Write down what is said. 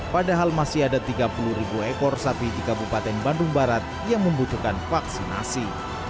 padahal masih ada tiga puluh ribu ekor sapi di kabupaten bandung barat yang membutuhkan vaksinasi